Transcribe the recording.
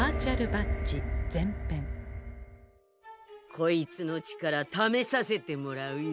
こいつの力ためさせてもらうよ。